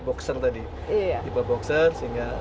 boxer tadi tipe boxer sehingga